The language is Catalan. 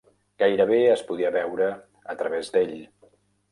Gairebé es podia veure a través d'ell.